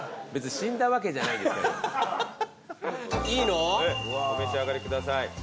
いいの？おめしあがりください。